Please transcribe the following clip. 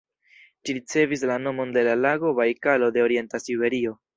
Ĝi ricevis la nomon de la lago Bajkalo de orienta siberio.